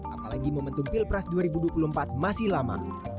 apalagi momentum pilpres dua ribu dua puluh empat masih lama